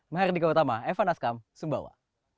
mehar dika utama evan askam sumbawa